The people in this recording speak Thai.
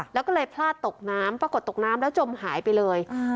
แล้วก็เลยพลาดตกน้ำปรากฏตกน้ำแล้วจมหายไปเลย